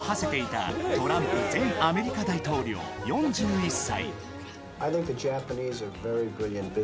不動産王として名をはせていたトランプ前アメリカ大統領、４１歳。